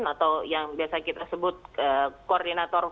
atau yang biasa kita sebut koordinator